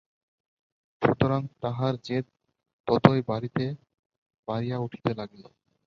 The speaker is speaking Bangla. সুতরাং তাহার জেদ ততই বাড়িয়া উঠিতে লাগিল।